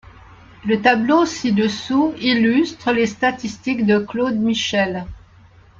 Le tableau ci-dessous illustre les statistiques de Claude Michel.